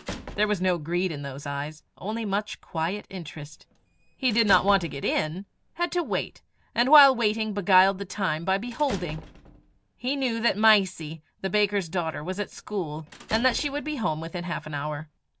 There was no greed in those eyes only much quiet interest. He did not want to get in; had to wait, and while waiting beguiled the time by beholding. He knew that Mysie, the baker's daughter, was at school, and that she would be home within half an hour.